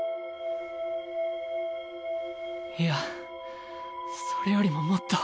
いやそれよりももっと。